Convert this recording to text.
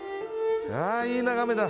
いやいい眺めだ。